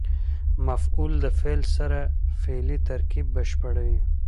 مفعول د فعل سره فعلي ترکیب بشپړوي.